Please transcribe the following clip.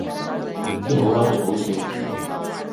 唔知好嬲定好笑